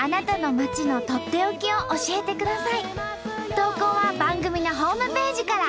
投稿は番組のホームページから。